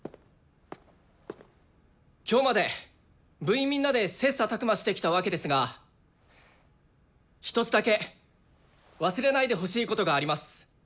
今日まで部員みんなで切さたく磨してきたわけですが一つだけ忘れないでほしいことがあります。